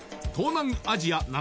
東南アジア